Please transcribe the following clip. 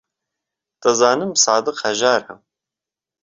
دەزانم سادق هەژارە.